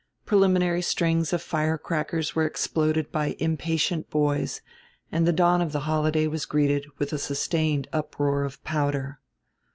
Preliminary strings of firecrackers were exploded by impatient boys and the dawn of the holiday was greeted with a sustained uproar of powder.